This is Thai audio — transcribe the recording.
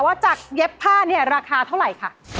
ว่าจากเย็บผ้าเนี่ยราคาเท่าไหร่ค่ะ